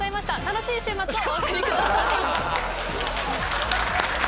楽しい週末をお送りください。